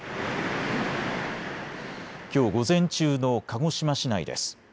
きょう午前中の鹿児島市内です。